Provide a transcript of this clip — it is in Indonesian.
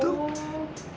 baru aja selesai